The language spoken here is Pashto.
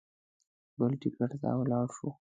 بل ټکټ ته ولاړ شو.